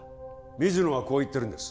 水野はこう言ってるんです